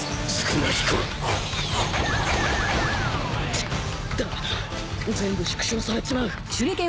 チッダメだ全部縮小されちまう！